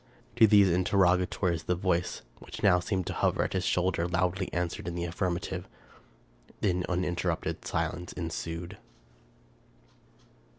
To these interrogatories the voice, which now seemed to hover at his shoulder, loudly answered in the affirmative. Then uninterrupted silence ensued.